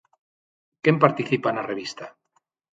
Quen participa na revista?